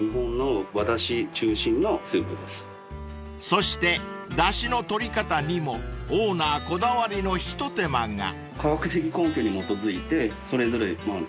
［そしてだしの取り方にもオーナーこだわりの一手間が］